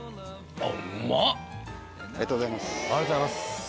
ありがとうございます。